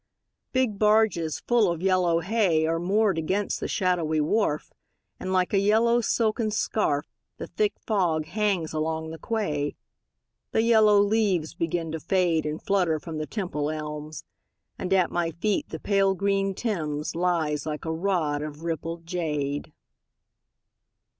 Big barges full of yellow hay Are moored against the shadowy wharf, And, like a yellow silken scarf, The thick fog hangs along the quay. The yellow leaves begin to fade And flutter from the Temple elms, And at my feet the pale green Thames Lies like a rod of rippled jade.